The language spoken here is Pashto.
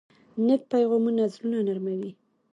نیک پیغامونه زړونه نرموي.